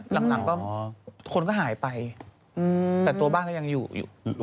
หลังก็คนก็หายไปแต่ตัวบ้านก็ยังอยู่อยู่